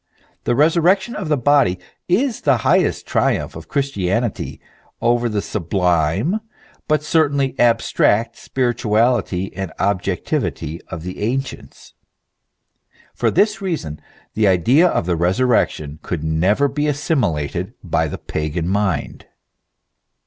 The resurrection of the body is the highest triumph of Christianity over the sublime, but certainly abstract spirituality and objectivity of the ancients. For this reason the idea of the resurrection could never be assimilated by the pagan mind.